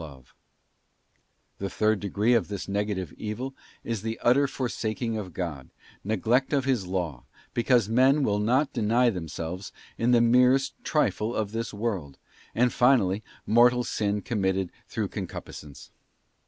3, Neglect ot The third degree of this negative evil is the utter forsaking of God, neglect of His law, because men will not deny them selves in the merest trifle of this world, and, finally, mortal sin committed through concupiscence.